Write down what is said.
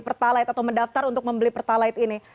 pertalait atau mendaftar untuk membeli pertalait ini